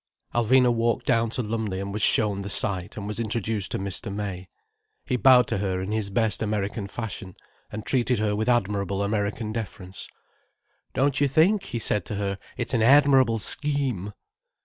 Alvina walked down to Lumley and was shown the site and was introduced to Mr. May. He bowed to her in his best American fashion, and treated her with admirable American deference. "Don't you think," he said to her, "it's an admirable scheme?"